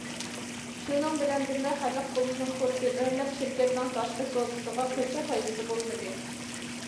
شۇنىڭ بىلەن بىللە، خەلق پۇلىنىڭ كۇرسى ئۆرلەپ، شىركەتنىڭ تاشقى سودىسىغا قىلچە پايدىسى بولمىدى.